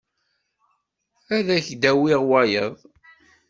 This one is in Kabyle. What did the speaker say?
Ad ak-d-awiɣ wayeḍ.